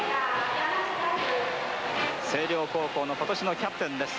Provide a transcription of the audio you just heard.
星稜高校の今年のキャプテンです。